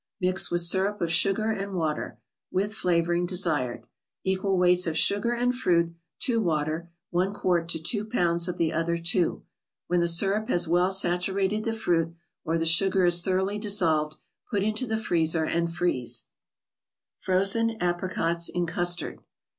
Mix with syrup of sugar and water; with flavoring desired. Equal weights of sugar and fruit, to water; one quart to two pounds of the other two. When the syrup has well saturated the fruit, or the sugar is thoroughly dissolved, put into the freezer and freeze. frozen Stpncotgs lu CwgtarD.